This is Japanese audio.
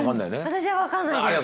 私は分かんないです。